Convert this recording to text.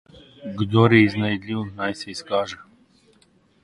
Kdor je iznajdljiv, naj se izkaže.